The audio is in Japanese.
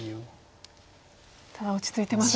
ただ落ち着いてますね。